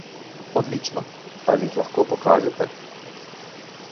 Odlično, ali jih lahko pokažete?